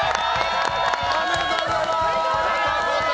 おめでとうございます！